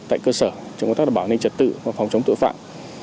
tại cơ sở trong công tác bảo nâng trật tự và phòng chống tội phạm